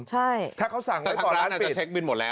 ใช่ถ้าเขาสั่งไว้ต่อร้านปิดทั้งร้านอ่ะจะเช็คบินหมดแล้ว